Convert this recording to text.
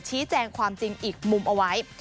ชี้แจงความจริงอีกมุมเอาไว้